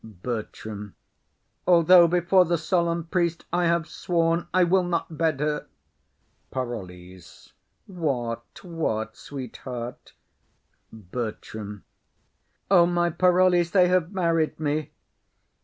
BERTRAM. Although before the solemn priest I have sworn, I will not bed her. PAROLLES. What, what, sweetheart? BERTRAM. O my Parolles, they have married me!